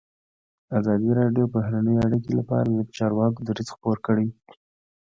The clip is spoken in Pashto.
ازادي راډیو د بهرنۍ اړیکې لپاره د چارواکو دریځ خپور کړی.